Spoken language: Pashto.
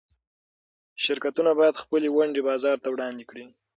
شرکتونه باید خپلې ونډې بازار ته وړاندې کړي.